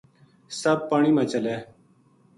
سپ پانی ما چلے